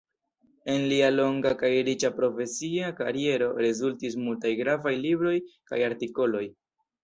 En lia longa kaj riĉa profesia kariero rezultis multaj gravaj libroj kaj artikoloj.